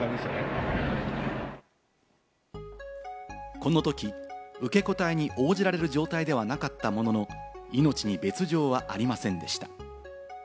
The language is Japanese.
このとき、受け答えに応じられる状態ではなかったものの、命に別条はありませんでした。